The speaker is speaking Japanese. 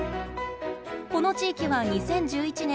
この地域は２０１１年